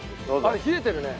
あっ冷えてるね。